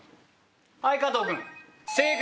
はい加藤君。